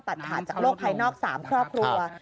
ตัดขาดจากโลกภายนอก๓ครอบครัว